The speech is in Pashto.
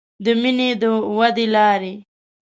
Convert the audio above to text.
د مینې د ودې لارې